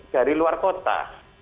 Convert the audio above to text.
dari luar kota